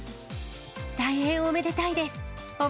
大変おめでたいです！